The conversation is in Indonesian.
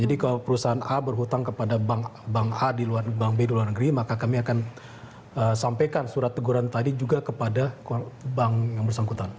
jadi kalau perusahaan a berhutang kepada bank a di luar negeri maka kami akan sampaikan surat teguran tadi juga kepada bank yang bersangkutan